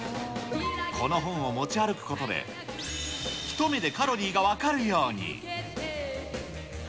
この本を持ち歩くことで、一目でカロリーが分かるように。